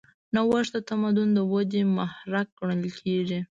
نوښت د تمدن د ودې محرک ګڼل کېږي.